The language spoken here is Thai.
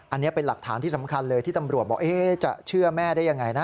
อันนี้เป็นหลักฐานที่สำคัญเลยที่ตำรวจบอกจะเชื่อแม่ได้ยังไงนะ